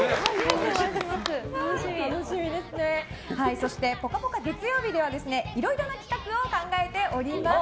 そして「ぽかぽか」月曜日ではいろいろな企画を考えております。